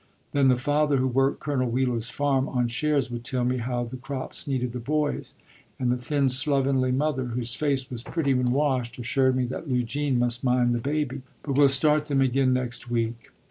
Then the father, who worked Colonel Wheeler's farm on shares, would tell me how the crops needed the boys; and the thin, slovenly mother, whose face was pretty when washed, assured me that Lugene must mind the baby. "But we'll start them again next week."